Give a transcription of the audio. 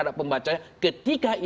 untuk memberlanggan nanis